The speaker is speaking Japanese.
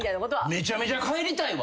めちゃめちゃ帰りたいわ。